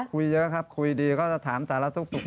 คุยเยอะครับคุยดีก็จะถามสารทุกข์สุข